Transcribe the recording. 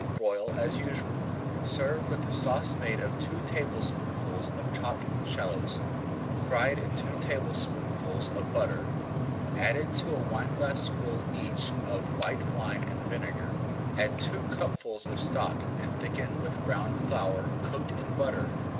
Broil as usual. Serve with a sauce made of two tablespoonfuls of chopped shallots, fried in two tablespoonfuls of butter, added to a wineglassful each of white wine and vinegar. Add two cupfuls of stock and thicken with browned flour cooked in butter.